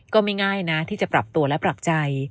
ก็ไม่ง่ายนะที่จะปรับตัวและปรับใจ